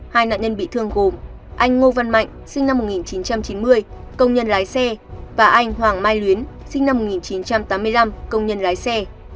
hai nạn nhân bị thương gồm anh ngô văn mạnh sinh năm một nghìn chín trăm chín mươi công nhân lái xe và anh hoàng mai luyến sinh năm một nghìn chín trăm tám mươi năm công nhân lái xe